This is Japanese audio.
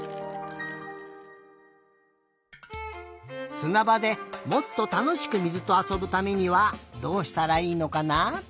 すなばでもっとたのしく水とあそぶためにはどうしたらいいのかな？